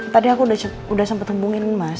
tadi aku udah sempat hubungin mas